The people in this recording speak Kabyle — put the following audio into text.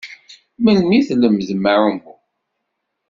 Melmi i tlemdem aɛummu?